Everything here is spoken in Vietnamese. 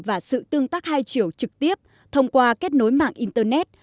và sự tương tác hai chiều trực tiếp thông qua kết nối mạng internet